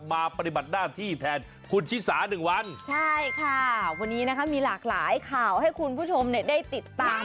ปฏิบัติหน้าที่แทนคุณชิสาหนึ่งวันใช่ค่ะวันนี้นะคะมีหลากหลายข่าวให้คุณผู้ชมเนี่ยได้ติดตาม